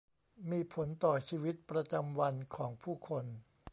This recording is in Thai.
มีผลต่อชีวิตประจำวันของผู้คน